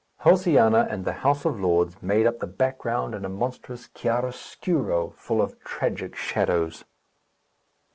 Josiana and the House of Lords made up the background in a monstrous chiaroscuro full of tragic shadows.